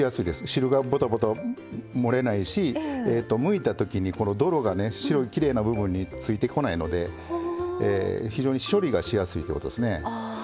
汁がぼたぼた漏れないしむいた時にこの泥がね白いきれいな部分についてこないので非常に処理がしやすいということですね。